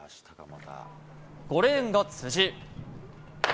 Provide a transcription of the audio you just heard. ５レーンが辻。